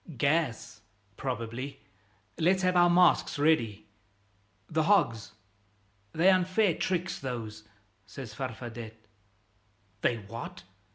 "Gas, probably. Let's have our masks ready." "The hogs!" "They're unfair tricks, those," says Farfadet. "They're what?"